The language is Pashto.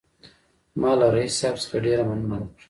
ما له رییس صاحب څخه ډېره مننه وکړه.